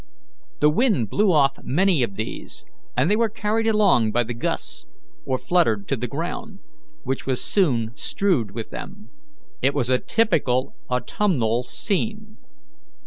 The wind blew off many of these, and they were carried along by the gusts, or fluttered to the ground, which was soon strewed with them. It was a typical autumnal scene.